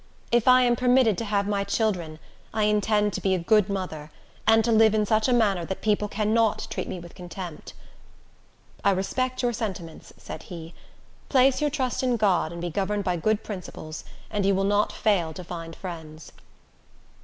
If I am permitted to have my children, I intend to be a good mother, and to live in such a manner that people cannot treat me with contempt." "I respect your sentiments," said he. "Place your trust in God, and be governed by good principles, and you will not fail to find friends."